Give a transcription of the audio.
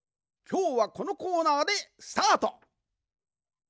きょうはこのコーナーでスタート。